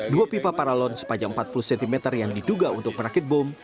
dua pipa paralon sepanjang empat puluh cm yang diduga untuk merakit bom